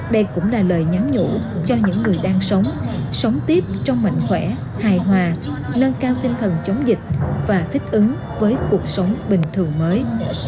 đây cũng là lời nhắn nhủ cho những người đang sống sống tiếp trong mạnh khỏe hài hòa nâng cao tinh thần chống dịch và thích ứng với cuộc sống bình thường mới